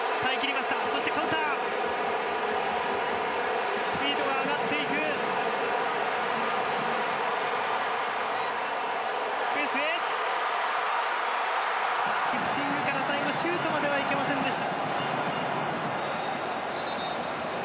リフティングから最後シュートまではいけませんでした。